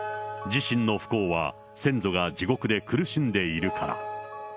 自身の不幸は、先祖が地獄で苦しんでいるから。